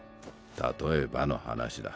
たとえばの話だ。